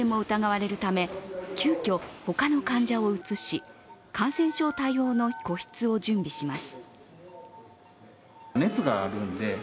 コロナへの感染も疑われるため急きょ、他の患者を移し感染症対応の個室を準備します。